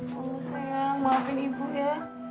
ya allah sayang maafin ibu ya